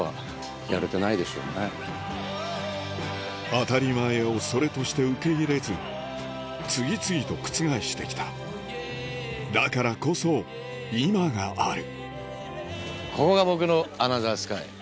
当たり前をそれとして受け入れず次々と覆してきただからこそ今があるここが僕のアナザースカイ。